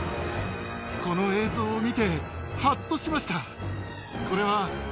この映像を見てはっとしました。